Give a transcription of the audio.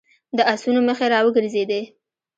د آسونو مخې را وګرځېدې.